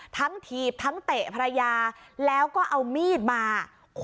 ถีบทั้งเตะภรรยาแล้วก็เอามีดมา